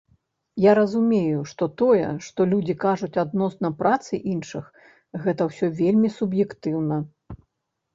Я разумею, што тое, што людзі кажуць адносна працы іншых, гэта ўсё вельмі суб'ектыўна.